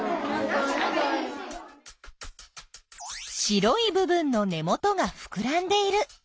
白い部分の根元がふくらんでいる。